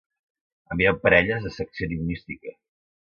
Envieu parelles a Secció Enigmística.